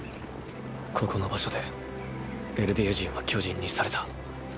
ここの場所でエルディア人は巨人にされた。